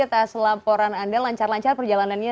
atas laporan anda lancar lancar perjalanannya